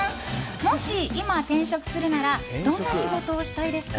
もし今、転職するならどんな仕事をしたいですか？